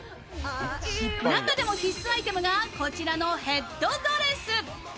中でも必須アイテムがこちらのヘッドドレス。